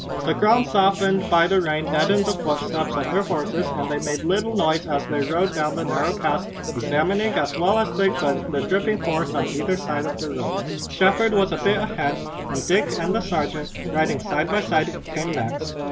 The ground softened by the rain deadened the footsteps of their horses, and they made little noise as they rode down the narrow pass, examining as well as they could the dripping forest on either side of the road. Shepard was a bit ahead, and Dick and the sergeant, riding side by side, came next.